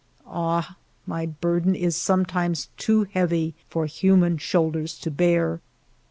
Ah, my burden is sometimes too heavy for human shoulders to bear